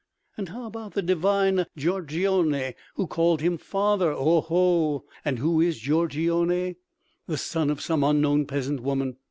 And how about the divine Giorgione who called him father? Oho! And who is Giorgione? The son of some unknown peasant woman.